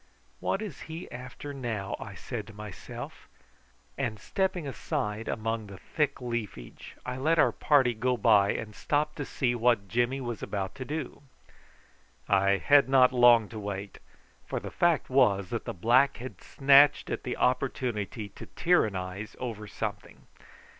"What is he after now?" I said to myself; and stepping aside among the thick leafage, I let our party go by and stopped to see what Jimmy was about to do. I had not long to wait, for the fact was that the black had snatched at the opportunity to tyrannise over something.